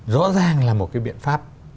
rõ ràng là một cái biện pháp